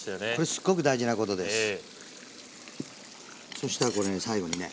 そしたらこれに最後にね